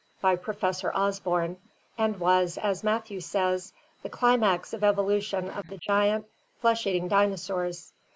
and PL X), by Professor Osborn, and was, as Matthew says, "the climax of evolution of the giant flesh eating dinosaurs.